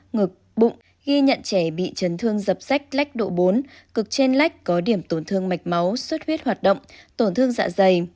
ngực bụng ghi nhận trẻ bị chấn thương dập sách lách độ bốn cực trên lách có điểm tổn thương mạch máu xuất huyết hoạt động tổn thương dạ dày